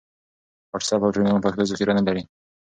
واټس اپ او ټیلیګرام پښتو ذخیره نه لري.